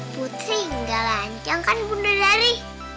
putri gak lancang kan bunda dari